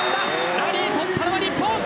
ラリー取ったのは日本。